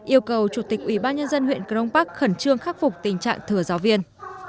yêu cầu chủ tịch ủy ban nhân dân huyện crong park khẩn trương khắc phục tình trạng thừa giáo viên